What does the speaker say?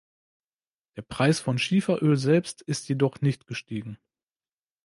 Der Preis von Schieferöl selbst ist jedoch nicht gestiegen.